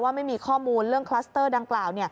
ไม่มีข้อมูลเรื่องคลัสเตอร์ดังกล่าว